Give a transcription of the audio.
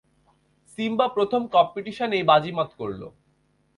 Simba প্রথম কম্পিটিশনেই বাজিমাত করল।